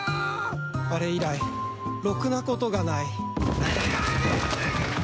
あれ以来ろくなことがない